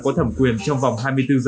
có thẩm quyền trong vòng hai mươi bốn h